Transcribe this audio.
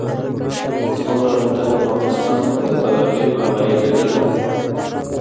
زموږ الوتکه ماسخوتن د تل ابیب هوایي ډګر نه.